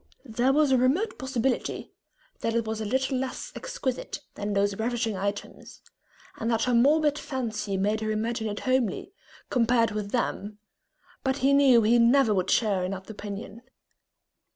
There was a remote possibility that it was a little less exquisite than those ravishing items, and that her morbid fancy made her imagine it homely, compared with them, but he knew he never would share in that opinion.